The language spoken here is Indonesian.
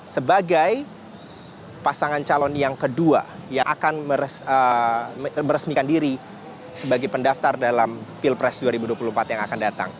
sebagai pasangan calon yang kedua yang akan meresmikan diri sebagai pendaftar dalam pilpres dua ribu dua puluh empat yang akan datang